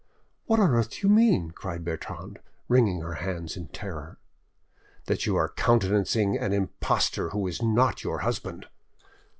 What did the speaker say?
"What on earth do you mean?" cried Bertrande, wringing her hands in terror. "That you are countenancing an impostor who is not your husband."